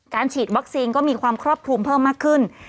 ฉีดวัคซีนก็มีความครอบคลุมเพิ่มมากขึ้น